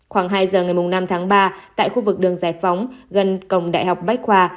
khoảng hai giờ ngày năm tháng ba tại khu vực đường giải phóng gần cổng đại học bách khoa